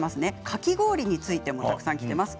かき氷についてもたくさん来てます。